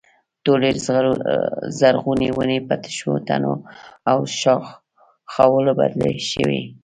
ټولې زرغونې ونې په تشو تنو او ښاخلو بدلې شوې.